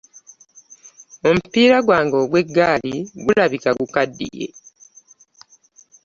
Omupiira gwange ogw'eggaali gulabika gukaddiye.